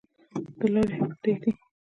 د لارې حق پریږدئ؟